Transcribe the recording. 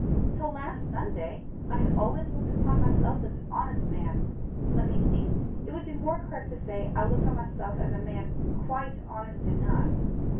Till last Sunday, I had always looked upon myself as an honest man: let me see: it would be more correct to say I looked on myself as a man QUITE HONEST ENOUGH.